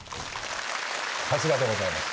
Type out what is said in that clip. さすがでございます。